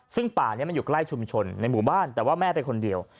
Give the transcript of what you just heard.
ซึ่งป่านี้มันอยู่ใกล้ชุมชนในหมู่บ้านแต่ว่าแม่ไปคนเดียว